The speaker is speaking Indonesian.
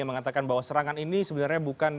yang mengatakan bahwa serangan ini sebenarnya bukan